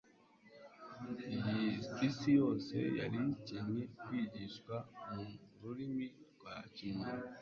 Isi yose yari ikencye kwigishwa mu rurimi rwa kimuntu.